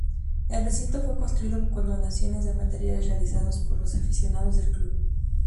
El recinto fue construido con donaciones de materiales realizados por los aficionados del club.